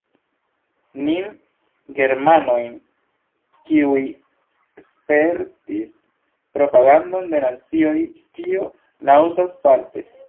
Nin germanojn, kiuj spertis propagandon de nazioj, tio naŭzas aparte.